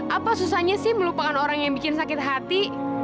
apa susahnya sih melupakan orang yang bikin sakit hati